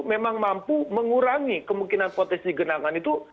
memang mampu mengurangi kemungkinan potensi genangan itu